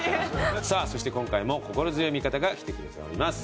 さあそして今回も心強い味方が来てくれております。